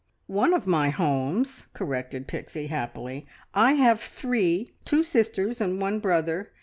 "One of my homes," corrected Pixie happily. "I have three. Two sisters and one brother.